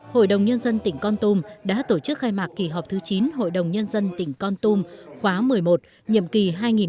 hội đồng nhân dân tỉnh con tum đã tổ chức khai mạc kỳ họp thứ chín hội đồng nhân dân tỉnh con tum khóa một mươi một nhiệm kỳ hai nghìn một mươi sáu hai nghìn hai mươi một